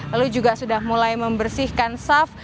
lalu juga sudah mulai membersihkan saf